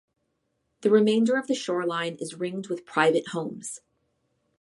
The remainder of the shoreline is ringed with private homes.